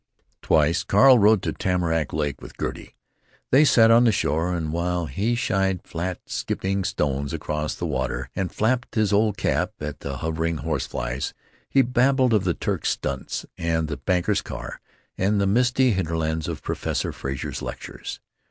Twice Carl rode to Tamarack Lake with Gertie. They sat on the shore, and while he shied flat skipping stones across the water and flapped his old cap at the hovering horse flies he babbled of the Turk's "stunts," and the banker's car, and the misty hinterlands of Professor Frazer's lectures.